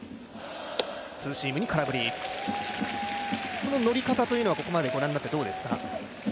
その乗り方というのはここまでご覧になってどうですか？